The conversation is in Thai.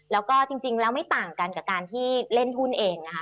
แล้วก็จริงแล้วไม่ต่างกันกับการที่เล่นหุ้นเองนะคะ